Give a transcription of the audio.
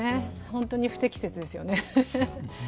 本当に不適切ですよね。